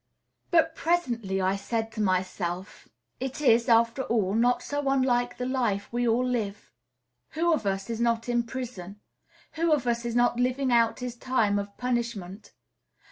But presently I said to myself, It is, after all, not so unlike the life we all live. Who of us is not in prison? Who of us is not living out his time of punishment?